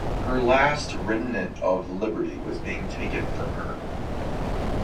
Her last little remnant of liberty was being taken from her.